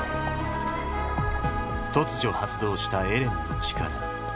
突如発動したエレンの力。